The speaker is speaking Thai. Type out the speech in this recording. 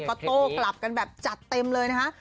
ก็โต้กลับกันแบบจัดเต็มเลยนะคะ